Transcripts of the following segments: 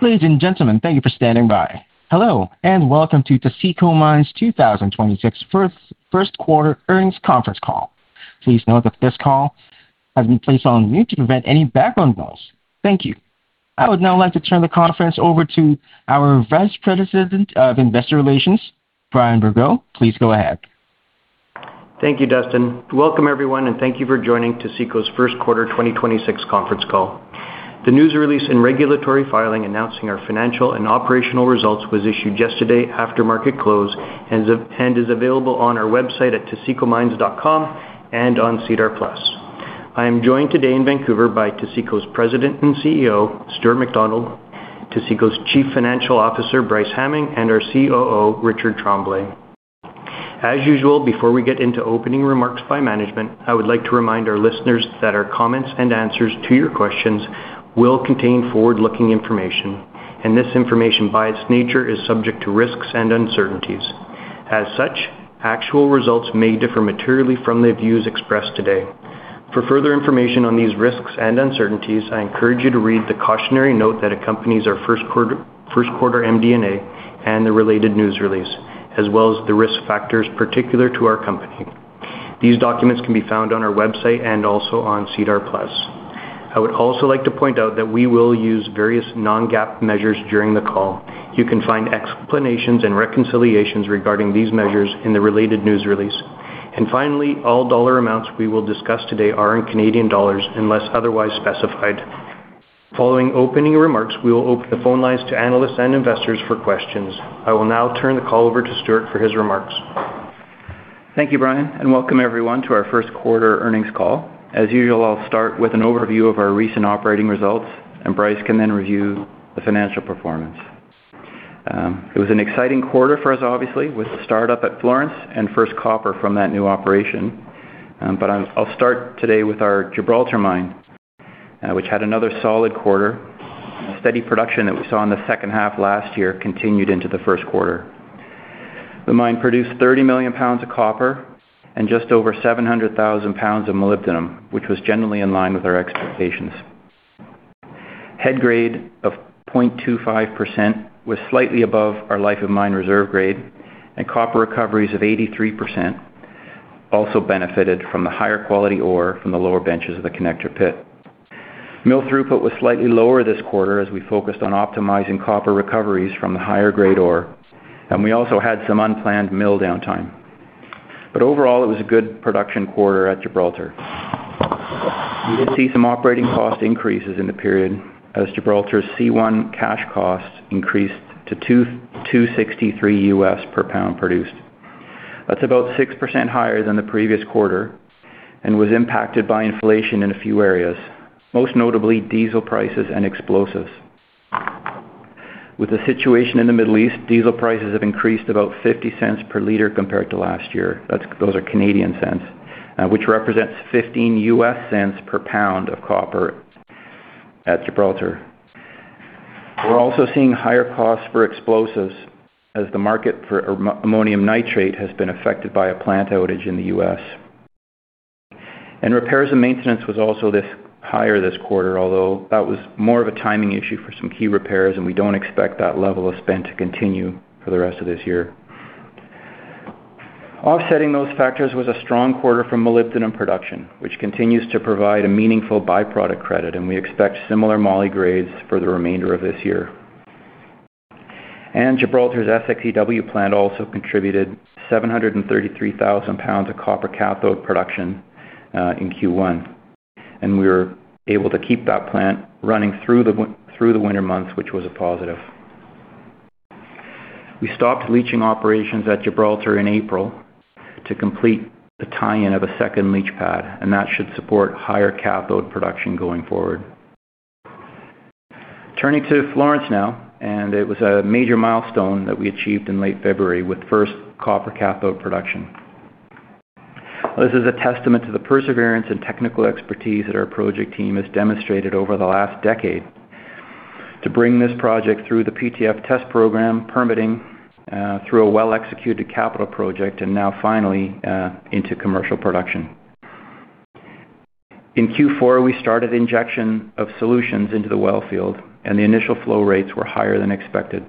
Ladies and gentlemen, thank you for standing by. Hello, welcome to Taseko Mines 2026 first quarter earnings conference call. Please note that this call has been placed on mute to prevent any background noise. Thank you. I would now like to turn the conference over to our Vice President of Investor Relations, Brian Bergot. Please go ahead. Thank you, Dustin. Welcome everyone, and thank you for joining Taseko's first quarter 2026 conference call. The news release and regulatory filing announcing our financial and operational results was issued yesterday after market close, and is available on our website at tasekomines.com and on SEDAR+. I am joined today in Vancouver by Taseko's President and CEO, Stuart McDonald, Taseko's Chief Financial Officer, Bryce Hamming, and our COO, Richard Tremblay. As usual, before we get into opening remarks by management, I would like to remind our listeners that our comments and answers to your questions will contain forward-looking information, and this information, by its nature, is subject to risks and uncertainties. Actual results may differ materially from the views expressed today. For further information on these risks and uncertainties, I encourage you to read the cautionary note that accompanies our first quarter MD&A and the related news release, as well as the risk factors particular to our company. These documents can be found on our website and also on SEDAR+. I would also like to point out that we will use various non-GAAP measures during the call. You can find explanations and reconciliations regarding these measures in the related news release. Finally, all dollar amounts we will discuss today are in Canadian dollars unless otherwise specified. Following opening remarks, we will open the phone lines to analysts and investors for questions. I will now turn the call over to Stuart for his remarks. Thank you, Brian, and welcome everyone to our first quarter earnings call. As usual, I'll start with an overview of our recent operating results, and Bryce can then review the financial performance. It was an exciting quarter for us, obviously, with the startup at Florence and first copper from that new operation. I'll start today with our Gibraltar Mine, which had another solid quarter. Steady production that we saw in the second half last year continued into the first quarter. The mine produced 30 million pounds of copper and just over 700,000 pounds of molybdenum, which was generally in line with our expectations. Head grade of 0.25% was slightly above our life of mine reserve grade, and copper recoveries of 83% also benefited from the higher quality ore from the lower benches of the Connector pit. Mill throughput was slightly lower this quarter as we focused on optimizing copper recoveries from the higher-grade ore. We also had some unplanned mill downtime. Overall, it was a good production quarter at Gibraltar. We did see some operating cost increases in the period as Gibraltar's C1 cash cost increased to $2.63 U.S. per pound produced. That's about 6% higher than the previous quarter and was impacted by inflation in a few areas, most notably diesel prices and explosives. With the situation in the Middle East, diesel prices have increased about 0.50 per liter compared to last year. Those are Canadian cents, which represents $0.15 U.S. per pound of copper at Gibraltar. We're also seeing higher costs for explosives as the market for ammonium nitrate has been affected by a plant outage in the U.S. Repairs and maintenance was also higher this quarter, although that was more of a timing issue for some key repairs, and we don't expect that level of spend to continue for the rest of this year. Offsetting those factors was a strong quarter for molybdenum production, which continues to provide a meaningful byproduct credit, and we expect similar moly grades for the remainder of this year. Gibraltar's SXEW plant also contributed 733,000 pounds of copper cathode production in Q1. We were able to keep that plant running through the winter months, which was a positive. We stopped leaching operations at Gibraltar in April to complete the tie-in of a second leach pad, and that should support higher cathode production going forward. Turning to Florence now, it was a major milestone that we achieved in late February with first copper cathode production. This is a testament to the perseverance and technical expertise that our project team has demonstrated over the last decade to bring this project through the PTF test program permitting, through a well-executed capital project, and now finally, into commercial production. In Q4, we started injection of solutions into the well field, the initial flow rates were higher than expected.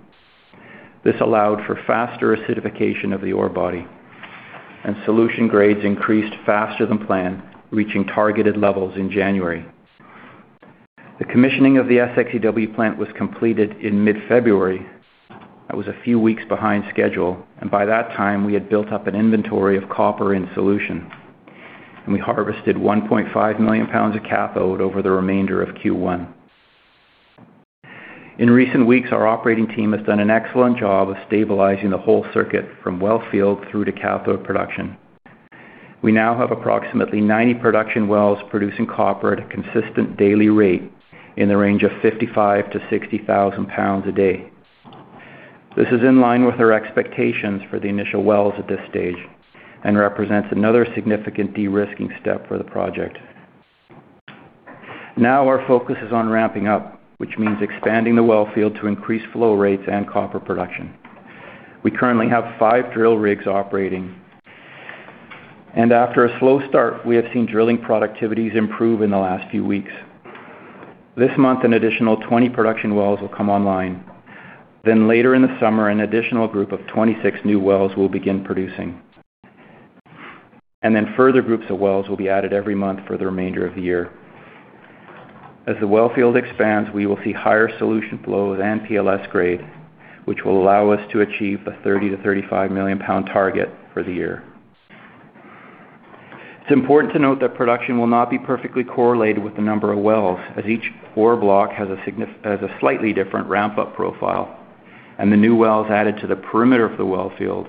This allowed for faster acidification of the ore body, solution grades increased faster than planned, reaching targeted levels in January. The commissioning of the SXEW plant was completed in mid-February. That was a few weeks behind schedule, and by that time, we had built up an inventory of copper in solution, and we harvested 1.5 million pounds of cathode over the remainder of Q1. In recent weeks, our operating team has done an excellent job of stabilizing the whole circuit from well field through to cathode production. We now have approximately 90 production wells producing copper at a consistent daily rate in the range of 55,000-60,000 pounds a day. This is in line with our expectations for the initial wells at this stage and represents another significant de-risking step for the project. Now our focus is on ramping up, which means expanding the well field to increase flow rates and copper production. We currently have five drill rigs operating. After a slow start, we have seen drilling productivities improve in the last few weeks. This month, an additional 20 production wells will come online. Later in the summer, an additional group of 26 new wells will begin producing. Further groups of wells will be added every month for the remainder of the year. As the well field expands, we will see higher solution flows and PLS grade, which will allow us to achieve the 30 million-35 million pounds target for the year. It's important to note that production will not be perfectly correlated with the number of wells, as each four block has a slightly different ramp-up profile, and the new wells added to the perimeter of the well field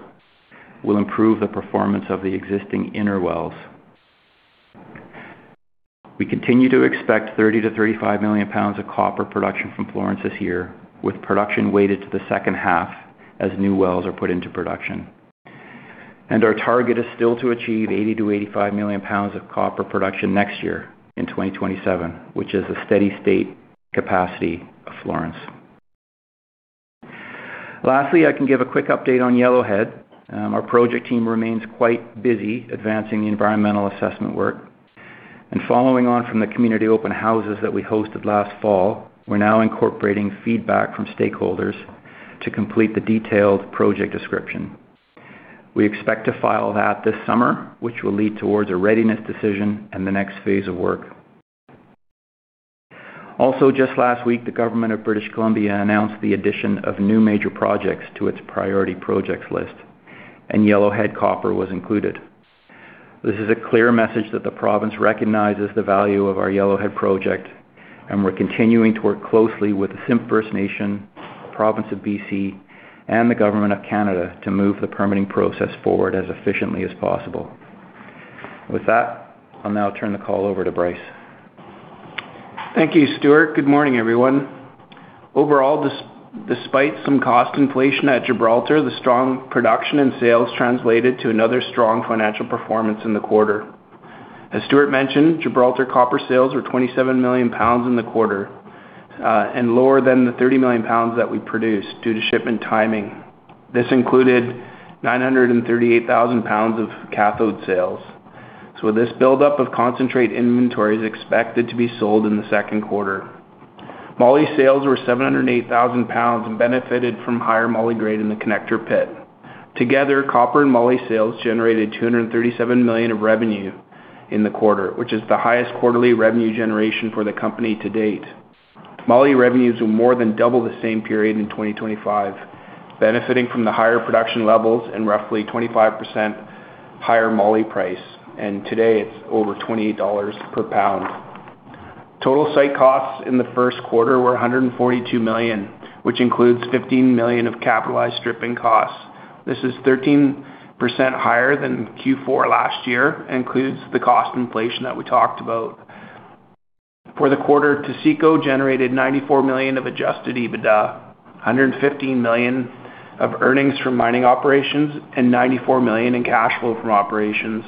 will improve the performance of the existing inner wells. We continue to expect 30 million-35 million pounds of copper production from Florence this year, with production weighted to the second half as new wells are put into production. Our target is still to achieve 80 million-85 million pounds of copper production next year in 2027, which is the steady-state capacity of Florence. Lastly, I can give a quick update on Yellowhead. Our project team remains quite busy advancing the environmental assessment work. Following on from the community open houses that we hosted last fall, we're now incorporating feedback from stakeholders to complete the detailed project description. We expect to file that this summer, which will lead towards a readiness decision and the next phase of work. Also, just last week, the government of British Columbia announced the addition of new major projects to its priority projects list, and Yellowhead Copper was included. This is a clear message that the province recognizes the value of our Yellowhead project, and we're continuing to work closely with the Simpcw First Nation, province of B.C., and the government of Canada to move the permitting process forward as efficiently as possible. With that, I'll now turn the call over to Bryce. Thank you, Stuart. Good morning, everyone. Overall, despite some cost inflation at Gibraltar, the strong production and sales translated to another strong financial performance in the quarter. As Stuart mentioned, Gibraltar copper sales were 27 million pounds in the quarter, and lower than the 30 million pounds that we produced due to shipment timing. This included 938,000 pounds of cathode sales. This buildup of concentrate inventory is expected to be sold in Q2. Moly sales were 708,000 pounds and benefited from higher moly grade in the connector pit. Together, copper and moly sales generated 237 million of revenue in the quarter, which is the highest quarterly revenue generation for the company to date. Moly revenues were more than double the same period in 2025, benefiting from the higher production levels and roughly 25% higher moly price. Today, it's over 28 dollars per pound. Total site costs in the first quarter were 142 million, which includes 15 million of capitalized stripping costs. This is 13% higher than Q4 last year, and includes the cost inflation that we talked about. For the quarter, Taseko generated 94 million of adjusted EBITDA, 115 million of earnings from mining operations, and 94 million in cash flow from operations.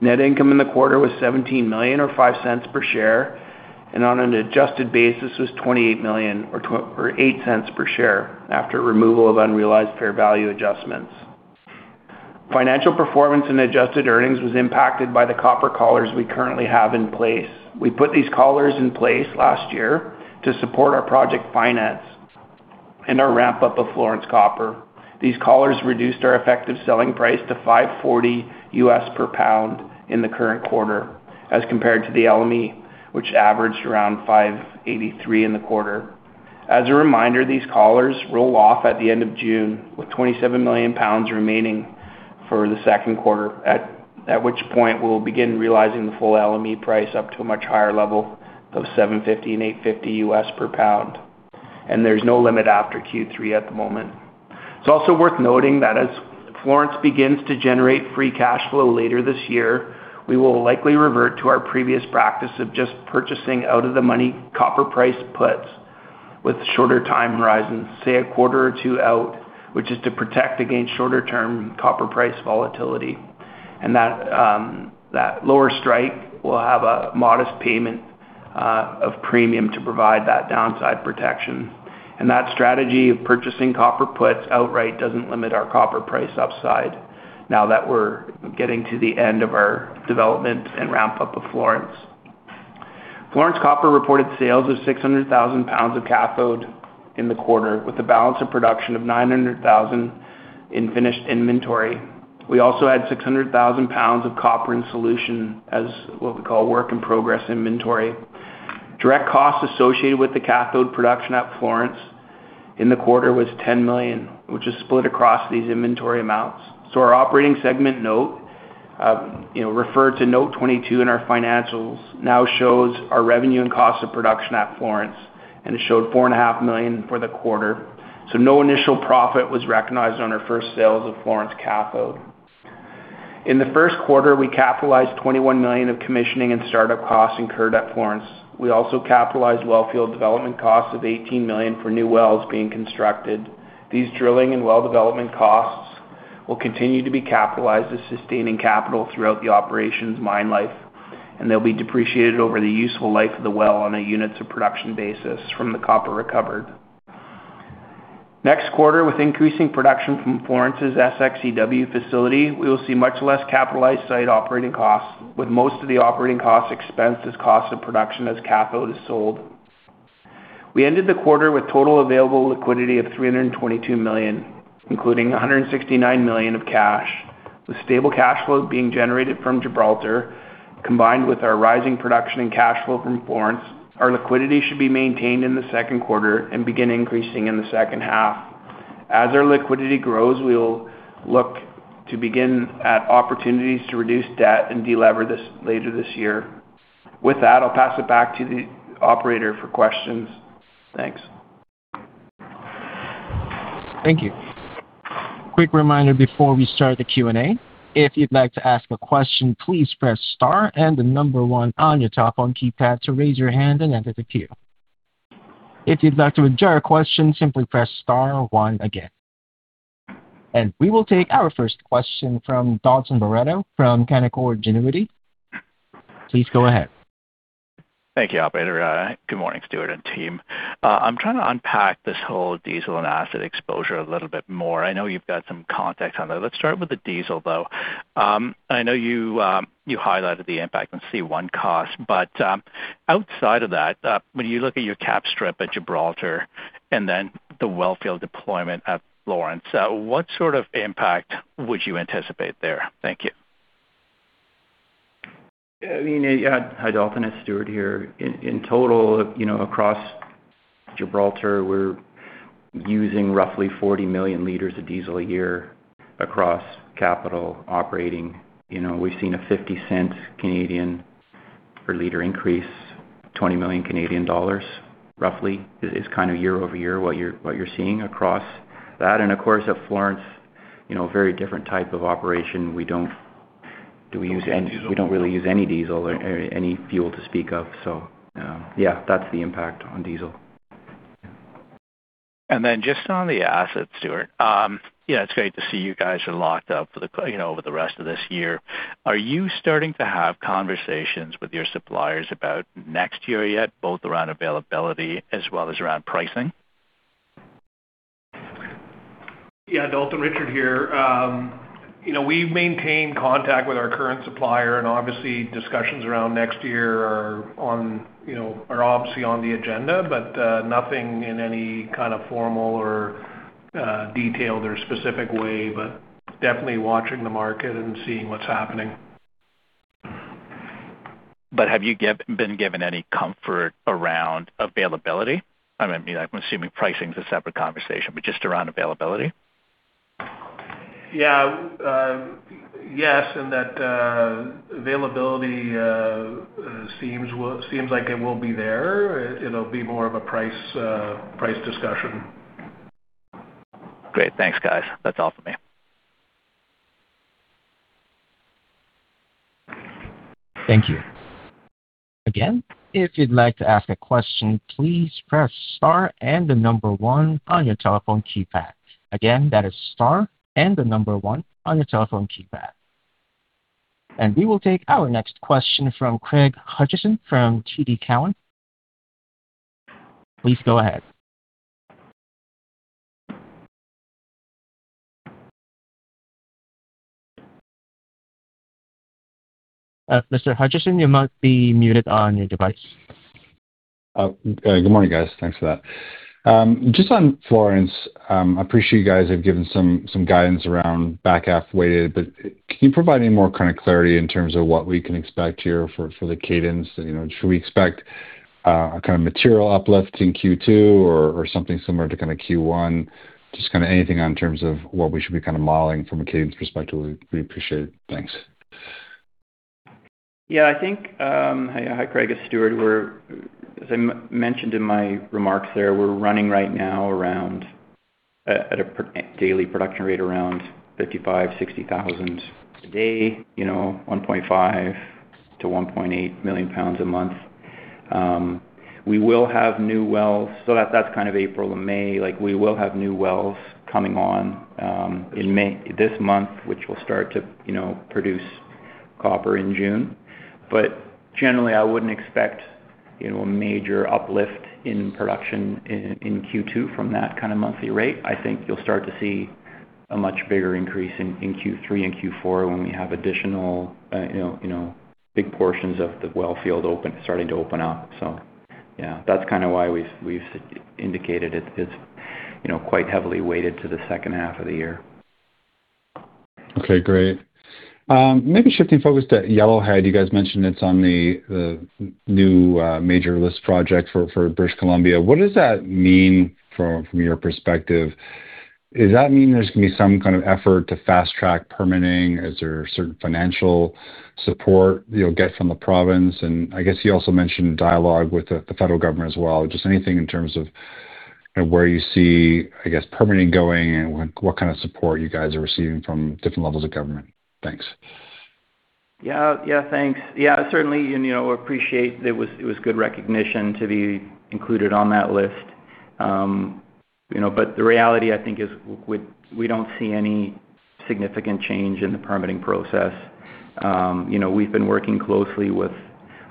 Net income in the quarter was 17 million or 0.05 per share, and on an adjusted basis was 28 million or 0.08 per share after removal of unrealized fair value adjustments. Financial performance and adjusted earnings was impacted by the copper collars we currently have in place. We put these collars in place last year to support our project finance and our ramp-up of Florence Copper. These collars reduced our effective selling price to $5.40 U.S. per pound in the current quarter as compared to the LME, which averaged around $5.83 in the quarter. As a reminder, these collars roll off at the end of June, with 27 million pounds remaining for the second quarter, at which point we'll begin realizing the full LME price up to a much higher level of $7.50 and $8.50 U.S. per pound. There's no limit after Q3 at the moment. It's also worth noting that as Florence begins to generate free cash flow later this year, we will likely revert to our previous practice of just purchasing out of the money copper price puts with shorter time horizons, say a quarter or two out, which is to protect against shorter-term copper price volatility. That lower strike will have a modest payment of premium to provide that downside protection. That strategy of purchasing copper puts outright doesn't limit our copper price upside now that we're getting to the end of our development and ramp-up of Florence. Florence Copper reported sales of 600,000 pounds of cathode in the quarter, with a balance of production of 900,000 in finished inventory. We also had 600,000 pounds of copper in solution as what we call work in progress inventory. Direct costs associated with the cathode production at Florence in the quarter was 10 million, which is split across these inventory amounts. Our operating segment note, you know, referred to note 22 in our financials, now shows our revenue and cost of production at Florence, and it showed 4.5 Million for the quarter. No initial profit was recognized on our first sales of Florence cathode. In the first quarter, we capitalized 21 million of commissioning and startup costs incurred at Florence. We also capitalized well field development costs of 18 million for new wells being constructed. These drilling and well development costs will continue to be capitalized as sustaining capital throughout the operations mine life, and they'll be depreciated over the useful life of the well on a units of production basis from the copper recovered. Next quarter, with increasing production from Florence's SXEW facility, we will see much less capitalized site operating costs, with most of the operating costs expensed as cost of production as cathode is sold. We ended the quarter with total available liquidity of 322 million, including 169 million of cash. With stable cash flow being generated from Gibraltar combined with our rising production and cash flow from Florence, our liquidity should be maintained in the second quarter and begin increasing in the second half. As our liquidity grows, we'll look to begin at opportunities to reduce debt and delever later this year. With that, I'll pass it back to the operator for questions. Thanks. Thank you. Quick reminder before we start the Q&A. If you'd like to ask a question, please press star and the number one on your telephone keypad to raise your hand and enter the queue. If you'd like to withdraw a question, simply press star one again. We will take our first question from Dalton Baretto from Canaccord Genuity. Please go ahead. Thank you, operator. Good morning, Stuart and team. I'm trying to unpack this whole diesel and acid exposure a little bit more. I know you've got some context on that. Let's start with the diesel, though. I know you highlighted the impact on C1 cost, but, outside of that, when you look at your cap strip at Gibraltar and then the wellfield deployment at Florence, what sort of impact would you anticipate there? Thank you. I mean, yeah. Hi, Dalton, it's Stuart here. In total, you know, across Gibraltar, we're using roughly 40 million liters of diesel a year across capital operating. You know, we've seen a 0.50 per liter increase, 20 million Canadian dollars roughly is kind of year-over-year what you're seeing across that. Of course, at Florence, you know, very different type of operation. Do we use any diesel? We don't really use any diesel or any fuel to speak of. Yeah, that's the impact on diesel. Yeah. Just on the acid, Stuart. Yeah, it's great to see you guys are locked up for the, you know, over the rest of this year. Are you starting to have conversations with your suppliers about next year yet, both around availability as well as around pricing? Yeah, Dalton. Richard here. you know, we maintain contact with our current supplier, and obviously discussions around next year are on, you know, are obviously on the agenda. Nothing in any kind of formal or detailed or specific way. Definitely watching the market and seeing what's happening. Have you been given any comfort around availability? I mean, I'm assuming pricing is a separate conversation, but just around availability. Yes, in that availability, seems like it will be there. It'll be more of a price discussion. Great. Thanks, guys. That is all for me. Thank you. Again, if you'd like to ask a question, please press star and the number one on your telephone keypad. Again, that is star and the number one on your telephone keypad. We will take our next question from Craig Hutchison from TD Cowen. Please go ahead. Mr. Hutchison, you might be muted on your device. Good morning, guys. Thanks for that. Just on Florence, I appreciate you guys have given some guidance around back half weighted, but can you provide any more kind of clarity in terms of what we can expect here for the cadence? You know, should we expect a kind of material uplift in Q2 or something similar to kind of Q1? Just kind of anything in terms of what we should be kind of modeling from a cadence perspective, we'd appreciate. Thanks. Hi, Craig, it's Stuart. As I mentioned in my remarks there, we're running right now at a daily production rate around 55,000, 60,000 a day. You know, 1.5 million-1.8 million pounds a month. We will have new wells. That's kind of April to May. Like, we will have new wells coming on in May this month, which will start to, you know, produce copper in June. Generally, I wouldn't expect, you know, a major uplift in production in Q2 from that kind of monthly rate. I think you'll start to see a much bigger increase in Q3 and Q4 when we have additional, you know, big portions of the wellfield starting to open up. Yeah, that's kind of why we've indicated it's, you know, quite heavily weighted to the second half of the year. Okay, great. Maybe shifting focus to Yellowhead. You guys mentioned it's on the new major list project for British Columbia. What does that mean from your perspective? Does that mean there's gonna be some kind of effort to fast track permitting? Is there certain financial support you'll get from the province? I guess you also mentioned dialogue with the federal government as well. Just anything in terms of where you see, I guess, permitting going and what kind of support you guys are receiving from different levels of government? Thanks. Yeah. Yeah, thanks. Yeah, certainly, and, you know, appreciate it was good recognition to be included on that list. you know, but the reality, I think, is we don't see any significant change in the permitting process. you know, we've been working closely with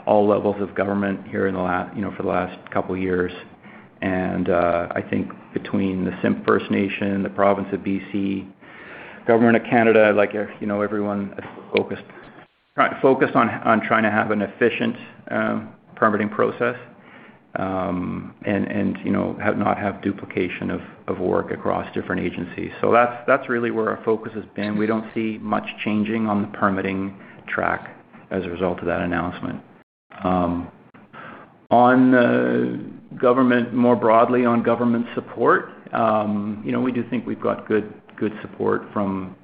all levels of government here in the last, you know, for the last couple years. I think between the Simpcw First Nation, the Province of B.C., Government of Canada, like, you know, everyone is focused on trying to have an efficient permitting process. you know, have not have duplication of work across different agencies. That's really where our focus has been. We don't see much changing on the permitting track as a result of that announcement. On more broadly on government support, you know, we do think we've got good support from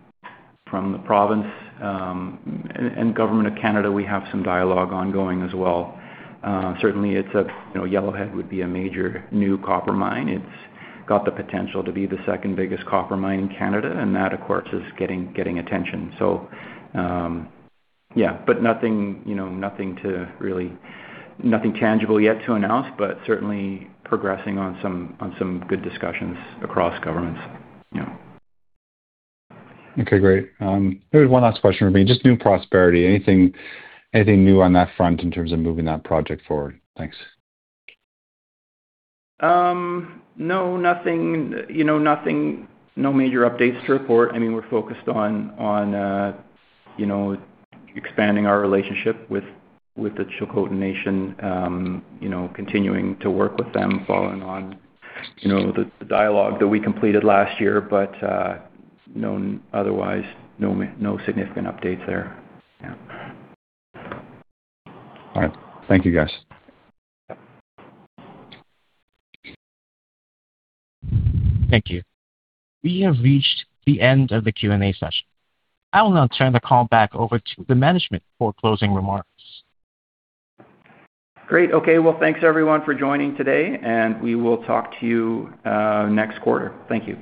the province, and government of Canada, we have some dialogue ongoing as well. Certainly it's a, you know, Yellowhead would be a major new copper mine. It's got the potential to be the second biggest copper mine in Canada, and that of course is getting attention. Yeah. Nothing, you know, nothing to really, nothing tangible yet to announce, but certainly progressing on some good discussions across governments, you know. Okay, great. Maybe one last question for me. Just New Prosperity. Anything new on that front in terms of moving that project forward? Thanks. No, nothing, you know, nothing, no major updates to report. I mean, we're focused on, you know, expanding our relationship with the Tsilhqot'in Nation, you know, continuing to work with them, following on, you know, the dialogue that we completed last year. No otherwise, no significant updates there. Yeah. All right. Thank you, guys. Thank you. We have reached the end of the Q&A session. I will now turn the call back over to the management for closing remarks. Great. Okay. Well, thanks everyone for joining today, and we will talk to you, next quarter. Thank you.